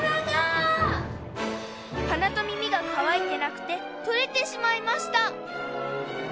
はなとみみがかわいてなくてとれてしまいました。